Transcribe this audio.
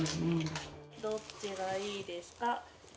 どっちがいいですか？